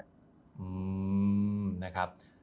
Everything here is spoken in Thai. อืมนะครับ